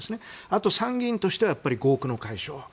あと、参議院としては合区の解消。